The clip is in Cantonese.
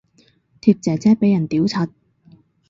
貼姐姐俾人屌柒